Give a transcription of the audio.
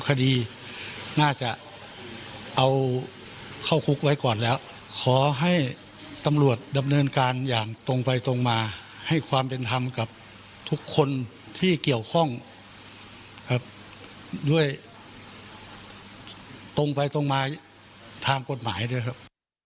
ครับด้วยตรงไปตรงมาทางกฎหมายด้วยครับ